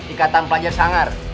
ikatan pelajar sangar